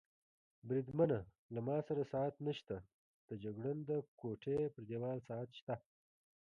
بریدمنه، له ما سره ساعت نشته، د جګړن د کوټې پر دېوال ساعت شته.